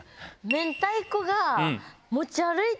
明太子が。